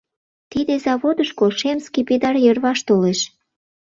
Тиде заводышко шем скипидар йырваш толеш.